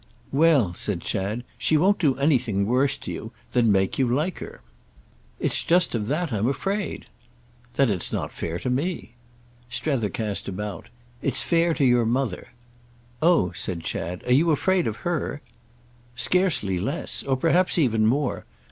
"Well," said Chad, "she won't do anything worse to you than make you like her." "It's just of that I'm afraid." "Then it's not fair to me." Strether cast about. "It's fair to your mother." "Oh," said Chad, "are you afraid of her?" "Scarcely less. Or perhaps even more.